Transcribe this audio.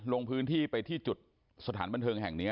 ตอนนี้กำลังจะโดดเนี่ยตอนนี้กำลังจะโดดเนี่ย